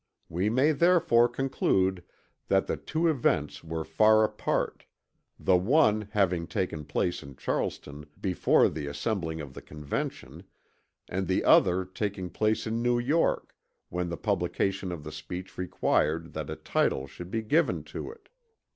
We may therefore conclude that the two events were far apart, the one having taken place in Charleston before the assembling of the Convention and the other taking place in New York when the publication of the speech required that a title should be given to it.